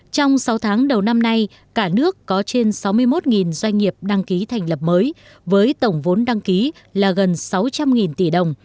trong sáu tháng đầu năm nay cả nước có trên sáu mươi một doanh nghiệp đăng ký thành lập mới với tổng vốn đăng ký là gần sáu trăm linh tỷ đồng